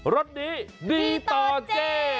รถนี้ดีต่อเจ๊